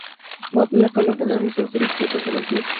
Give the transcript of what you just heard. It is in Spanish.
Mott la colocó en su museo de cirugía y patología.